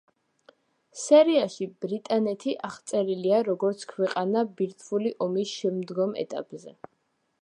სერიაში ბრიტანეთი აღწერილია, როგორც ქვეყანა ბირთვული ომის შემდგომ ეტაპზე.